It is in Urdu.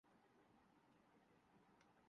ہمارے ہاں جمہوریت ہے۔